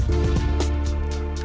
udah ga tau